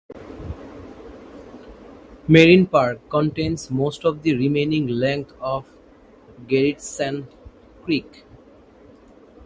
Marine Park contains most of the remaining length of Gerritsen Creek.